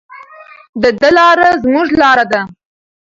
د ده لاره زموږ لاره ده.